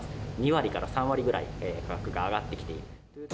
２割から３割ぐらい、価格が上がってきている。